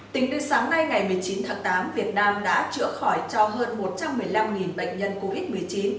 tính tới sáng nay ngày một mươi chín tháng tám việt nam đã chữa khỏi cho hơn một trăm một mươi năm bệnh nhân covid một mươi chín